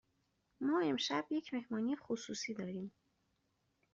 ما امشب یک مهمانی خصوصی داریم.